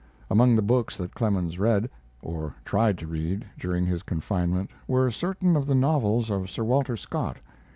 Among the books that Clemens read, or tried to read, during his confinement were certain of the novels of Sir Walter Scott.